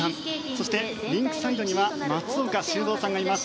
そしてリンクサイドには松岡修造さんがいます。